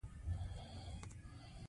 دا پیسې باید مشرانو په ګډه تادیه کړي وای.